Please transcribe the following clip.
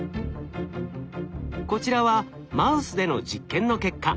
こちらはマウスでの実験の結果。